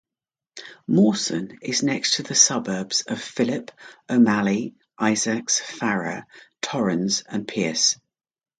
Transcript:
Mawson is next to the suburbs of Phillip, O'Malley, Isaacs, Farrer, Torrens and Pearce.